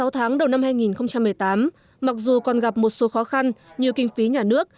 sáu tháng đầu năm hai nghìn một mươi tám mặc dù còn gặp một số khó khăn như kinh phí nhà nước